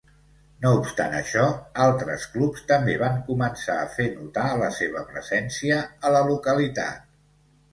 No obstant això, altres clubs també van començar a fer notar la seva presència a la localitat.